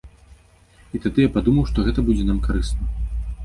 І тады я падумаў, што гэта будзе нам карысна.